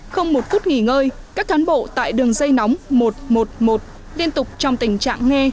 không một phút nghỉ ngơi các thán bộ tại đường dây nóng một trăm một mươi một liên tục trong tình trạng nghe